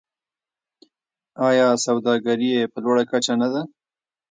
آیا سوداګري یې په لوړه کچه نه ده؟